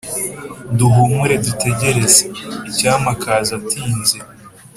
duhumure, dutegereze.icyampa akaza adatinze!